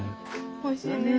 おいしいね。